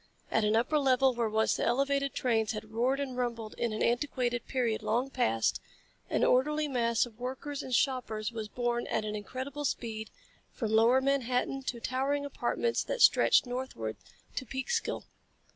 At an upper level where once the elevated trains had roared and rumbled in an antiquated period long past, an orderly mass of workers and shoppers was borne at an incredible speed from lower Manhattan to towering apartments that stretched northward to Peekskill.